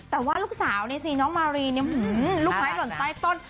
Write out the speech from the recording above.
แต่ว่าลูกสาวนี่สิน้องมารีเนี่ยลูกไม้หล่นใต้ต้น